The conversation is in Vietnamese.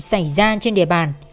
xảy ra trên địa bàn